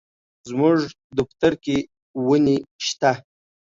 زموږ دفتر کي وني شته.